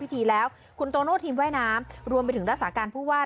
พิธีแล้วคุณโตโน่ทีมว่ายน้ำรวมไปถึงรักษาการผู้ว่า